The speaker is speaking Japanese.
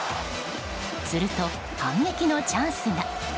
すると反撃のチャンスが。